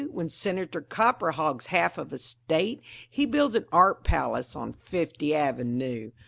When Senator Copper hogs half of a State He builds an Art Palace on Fift' Avenoo.